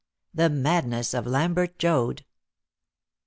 THE MADNESS OF LAMBERT JOAD.